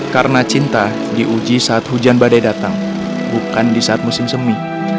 karena cinta diuji saat hujan badai datang bukan di saat musim semi